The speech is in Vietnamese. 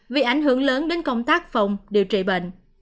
vì ảnh hưởng lớn đến công tác phòng điều trị bệnh